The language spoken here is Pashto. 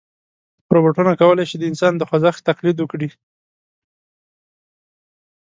روبوټونه کولی شي د انسان د خوځښت تقلید وکړي.